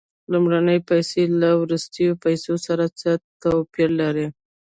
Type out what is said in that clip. لومړنۍ پیسې له وروستیو پیسو سره څه توپیر لري